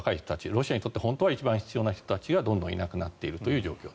ロシアにとって本当は一番必要な人たちがどんどんいなくなっていると。